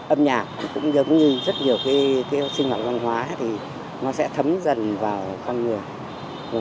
âm nhạc cũng giống như rất nhiều cái sinh hoạt văn hóa thì nó sẽ thấm dần vào con người